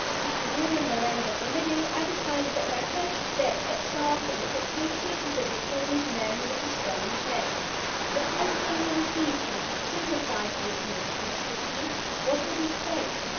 If he were in the land of the living, I decided that my first step at starting should take me to the deformed man with the strange name. Supposing he received me, sympathized with me, understood me? What would he say?